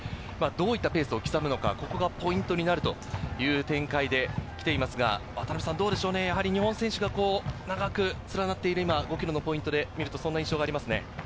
後続の集団が少し、どういったペースを刻むのか、ここがポイントになるという展開で来ていますが、日本選手が長く連なっている今、５ｋｍのポイントで見ると、そんな印象がありますね。